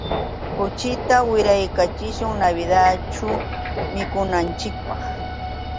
Kuchita wiraykachishun Navidadćhu mikunanchikpaq.